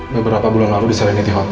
beberapa bulan lalu di serenity hotel